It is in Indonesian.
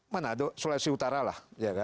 manado sulawesi utara lah